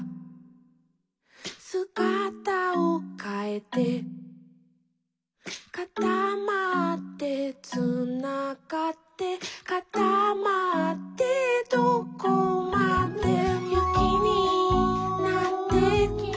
「すがたをかえて」「かたまってつながって」「かたまってどこまでも」「ゆきになって」